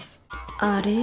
あれ？